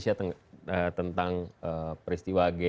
upaya untuk mengingatkan orang indonesia tentang peristiwa g tiga puluh spki